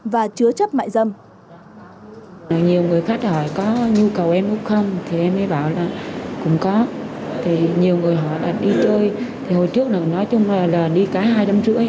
và chứa chấp mại dâm